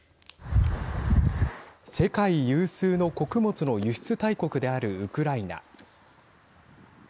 世界有数の穀物の輸出大国であるウクライナ。